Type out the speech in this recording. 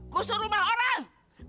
gusur rumah orang